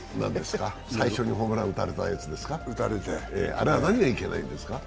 最初にホームラン打たれたやつですか、あれは何がいけないんですか？